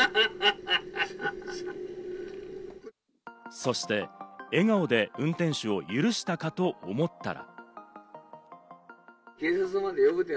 そして、笑顔で運転手を許したかと思ったら。